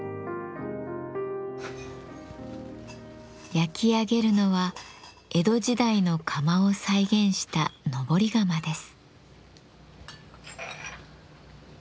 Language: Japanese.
焼き上げるのは江戸時代の窯を再現した登り窯です。